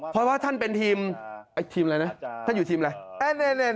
เพราะว่าท่านเป็นทีมทีมอะไรนะท่านอยู่ทีมอะไร